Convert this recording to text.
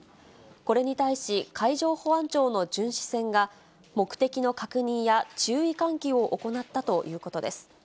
これに対し、海上保安庁の巡視船が、目的の確認や注意喚起を行ったということです。